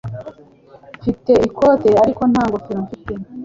Mfite ikote, ariko nta ngofero mfite.